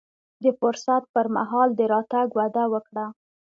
د فرصت پر مهال د راتګ وعده وکړه.